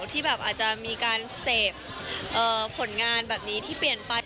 ที่แบบอาจจะมีการเสพผลงานแบบนี้ที่เปลี่ยนไป